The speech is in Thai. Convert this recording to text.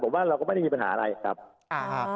ผมว่าเราก็ไม่ได้มีปัญหาอะไรครับอ่า